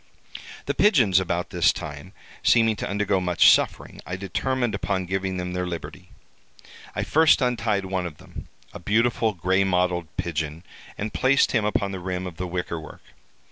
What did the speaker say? "The pigeons about this time seeming to undergo much suffering, I determined upon giving them their liberty. I first untied one of them, a beautiful gray mottled pigeon, and placed him upon the rim of the wicker work.